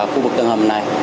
khu vực tầng hầm này